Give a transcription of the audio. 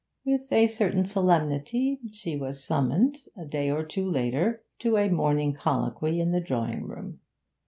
With a certain solemnity she was summoned, a day or two later, to a morning colloquy in the drawing room.